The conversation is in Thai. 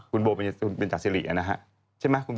คุณโบเวนจาซิรินะฮะ